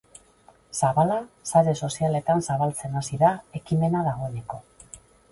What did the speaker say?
Zabala sare sozialetan zabaltzen hasi da ekimena dagoeneko.